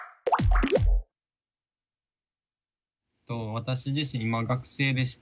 私自身今学生でして。